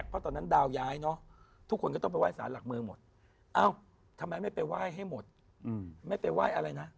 ไปไหว้ศาลหลักเมืองมาหรอ